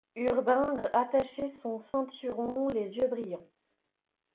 Urbain rattachait son ceinturon, les yeux brillants.